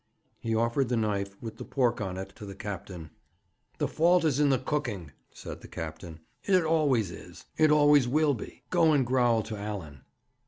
He offered the knife, with the pork on it, to the captain. 'The fault is in the cooking,' said the captain; 'it always is; it always will be. Go and growl to Allan.'